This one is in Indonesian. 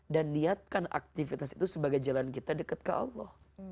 dan niatkan aktivitas itu sebagai jalan kita dekat ke allah